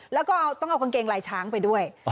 แล้วก็ต้องเอากางเกงลายช้างไปด้วย